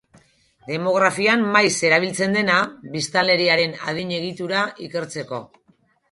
Demografian maiz erabiltzen dena, biztanleriaren adin egitura ikertzeko.